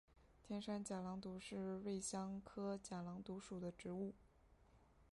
天山假狼毒是瑞香科假狼毒属的植物。